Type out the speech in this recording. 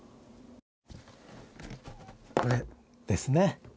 これですね。